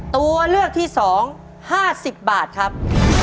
ตัวเลือกที่สองห้าสิบบาทครับ